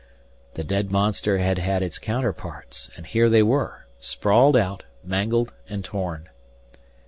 The dead monster had had its counterparts, and here they were, sprawled out, mangled, and torn.